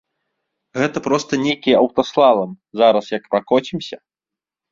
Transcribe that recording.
Гэта проста нейкі аўтаслалам, зараз як пракоцімся!